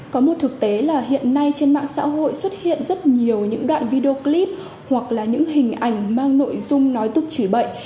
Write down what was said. có một thực tế là hiện nay trên mạng xã hội xuất hiện rất nhiều những đoạn video clip hoặc là những hình ảnh mang nội dung nói tục chỉ bậy